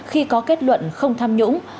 khi có kết luận không tham nhũng